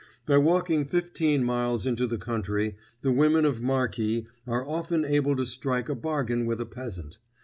By walking fifteen miles into the country, the women of Marki, are often able to strike a bargain with a peasant.